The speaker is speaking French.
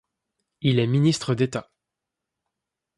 Il est ministre d'État.